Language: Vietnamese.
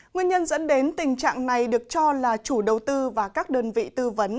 nguyên nhân dẫn đến tình trạng này được cho là chủ đầu tư và các đơn vị tư vấn